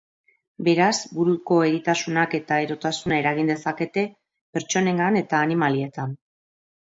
Beraz, buruko eritasunak eta erotasuna eragin dezakete pertsonengan eta animalietan.